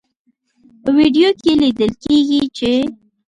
په ویډیو کې لیدل کیږي چې